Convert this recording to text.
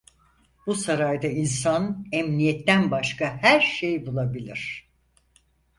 Bu sarayda insan emniyetten başka her şey bulabilir…